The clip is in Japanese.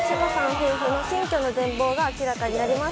夫婦の新居の全貌が明らかになります。